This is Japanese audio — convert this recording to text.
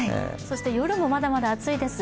夜もまだまだ暑いです。